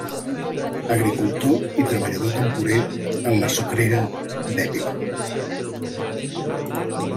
Agricultor i treballador temporer en la Sucrera d'Épila.